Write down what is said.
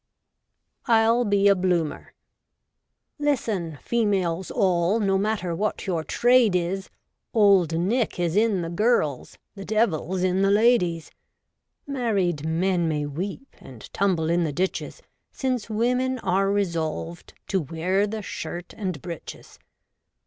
I'LL BE A BLOOMER. Listen, females all. No matter what your trade is, Old Nick is in the girls. The Devil's in the ladies ! Married men may weep, And tumble in the ditches, Since women are resolved To wear the shirt and breeches.